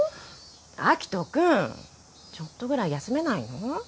秋斗君ちょっとぐらい休めないの？